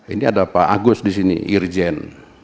ini ada pak agus di sini irjen